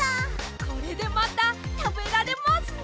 これでまたたべられますね！